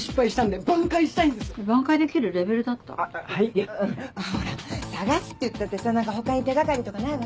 いやほら捜すっていったってさ何か他に手掛かりとかないわけ？